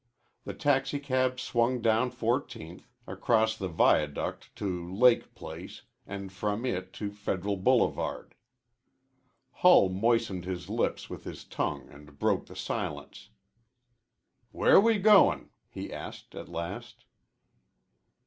The taxicab swung down Fourteenth, across the viaduct to Lake Place, and from it to Federal Boulevard. Hull moistened his lips with his tongue and broke the silence. "Where we goin'?" he asked at last.